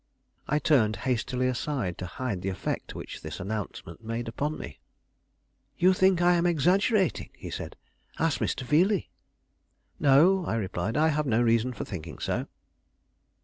I turned hastily aside to hide the effect which this announcement made upon me. "You think I am exaggerating," he said. "Ask Mr. Veeley." "No," I replied. "I have no reason for thinking so."